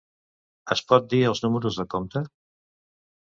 Em pot dir els números de compte?